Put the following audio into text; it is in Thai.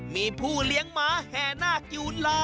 มีผู้เลี้ยงหมาแห่นาคอยู่ล้อ